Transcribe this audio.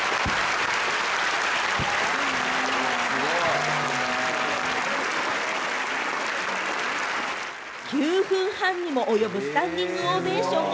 すごい！９分半にも及ぶスタンディングオベーションが！